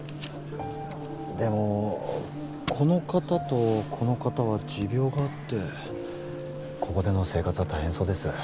でもこの方とこの方は持病があってここでの生活は大変そうです